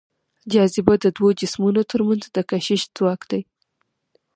جاذبه د دوو جسمونو تر منځ د کشش ځواک دی.